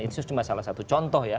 itu cuma salah satu contoh ya